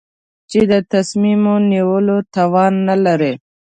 چې د تصمیم نیولو توان نه لري.